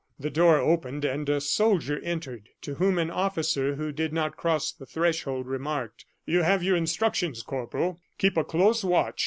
The door opened and a soldier entered, to whom an officer who did not cross the threshold remarked: "You have your instructions, Corporal, keep a close watch.